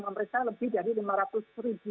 memeriksa lebih dari lima ratus ribu